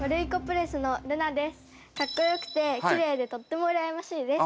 かっこよくてきれいでとってもうらやましいです。